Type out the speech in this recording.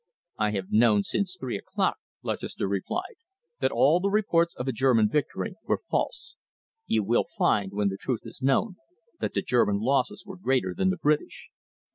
"I have known since three o'clock," Lutchester replied, "that all the reports of a German victory were false. You will find, when the truth is known, that the German losses were greater than the British."